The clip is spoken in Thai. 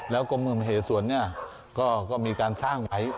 แล้วกรมหิมเหสวรก็มีการสร้างไว้